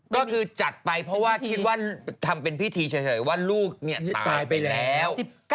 ก็คือจัดไปเพราะว่าคิดว่าทำเป็นพิธีเฉยว่าลูกตายไปแล้ว